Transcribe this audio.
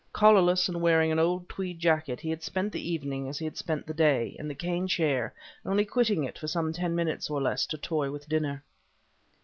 Collarless and wearing an old tweed jacket, he had spent the evening, as he had spent the day, in the cane chair, only quitting it for some ten minutes, or less, to toy with dinner.